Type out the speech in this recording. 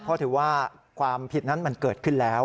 เพราะถือว่าความผิดนั้นมันเกิดขึ้นแล้ว